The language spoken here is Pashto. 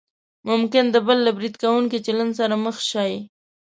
ممکن د بل له برید کوونکي چلند سره مخ شئ.